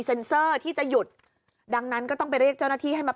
เซอร์ที่จะหยุดดังนั้นก็ต้องไปเรียกเจ้าหน้าที่ให้มา